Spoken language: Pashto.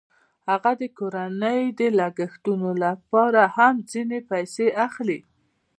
هغه د کورنۍ د لګښتونو لپاره هم ځینې پیسې اخلي